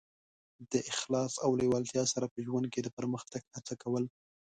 د اخلاص او لېوالتیا سره په ژوند کې د پرمختګ هڅه کول.